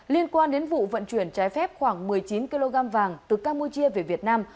liên quan đến vụ vận chuyển trái phép khoảng một mươi chín kg vàng từ campuchia về việt nam